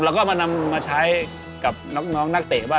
เราก็มาใช้กับน้องนักเตะว่า